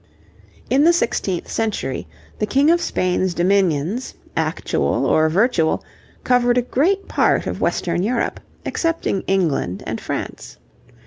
In the sixteenth century the King of Spain's dominions, actual or virtual, covered a great part of Western Europe, excepting England and France.